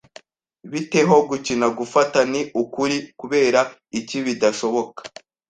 "Bite ho gukina gufata?" "Ni ukuri, kubera iki bidashoboka?"